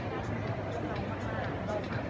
มันเป็นสิ่งที่จะให้ทุกคนรู้สึกว่า